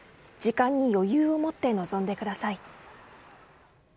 時間に余裕を持って臨んでください。